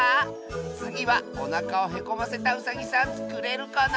つぎはおなかをへこませたウサギさんつくれるかな？